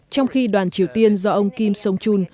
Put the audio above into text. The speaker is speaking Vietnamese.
trong khi đoàn triều tiên do ông kim song chung